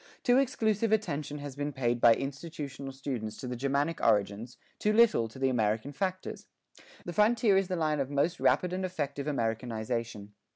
Too exclusive attention has been paid by institutional students to the Germanic origins, too little to the American factors. The frontier is the line of most rapid and effective Americanization.